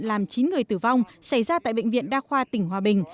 làm chín người tử vong xảy ra tại bệnh viện đa khoa tỉnh hòa bình